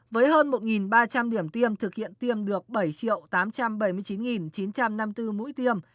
với hơn một ba trăm linh điểm tiêm thực hiện tiêm được bảy tám trăm bảy mươi chín chín trăm năm mươi bốn mũi tiêm